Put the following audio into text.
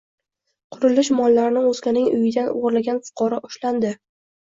Qurilish mollarini o‘zganing uyidan o‘g‘irlagan fuqaro ushlanding